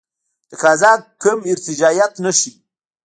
تقاضا کوم ارتجاعیت نه ښیي.